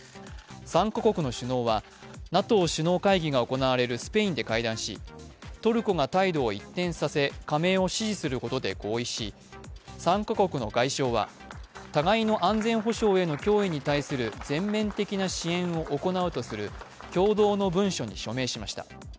３カ国の首脳はＮＡＴＯ首脳会議が行われるスペインで会談しトルコが態度を一転させ加盟を支持することで合意し３カ国の外相は、互いの安全保障への脅威に対する全面的な支援を行うとする共同の文書に署名しました。